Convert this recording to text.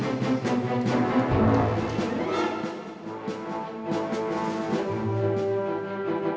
jangan judot judotin kepala lagi